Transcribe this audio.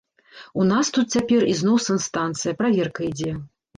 У нас тут цяпер ізноў санстанцыя, праверка ідзе.